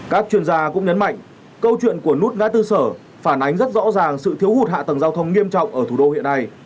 các chuyên gia cũng nhấn mạnh câu chuyện của nút ngã tư sở phản ánh rất rõ ràng sự thiếu hụt hạ tầng giao thông nghiêm trọng ở thủ đô hiện nay